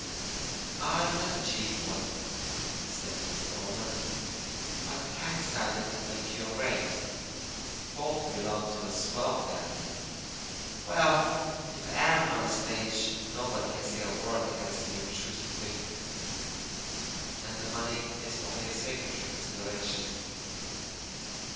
"I'm not a cheap one," said Miss De Ormond. "But I had decided to make you a rate. You both belong to a swell family. Well, if I am on the stage nobody can say a word against me truthfully. And the money is only a secondary consideration.